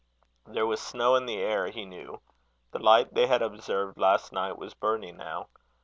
There was snow in the air, he knew. The light they had observed last night, was burning now.